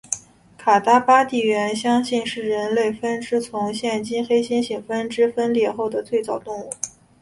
卡达巴地猿相信是人类分支从现今黑猩猩分支分裂后的最早动物。